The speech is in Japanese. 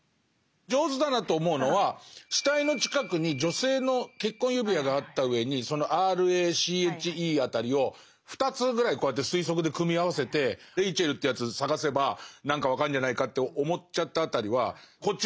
上手だなと思うのは死体の近くに女性の結婚指輪があったうえにその「ＲＡＣＨＥ」辺りを２つぐらいこうやって推測で組み合わせて「ＲＡＣＨＥＬ」っていうやつ捜せば何か分かんじゃないかって思っちゃった辺りはこっち側も「なるほど。